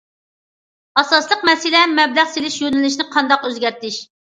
ئاساسلىق مەسىلە مەبلەغ سېلىش يۆنىلىشىنى قانداق ئۆزگەرتىش.